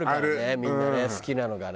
みんなね好きなのがね。